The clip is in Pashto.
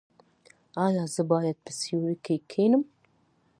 ایا زه باید په سیوري کې کینم؟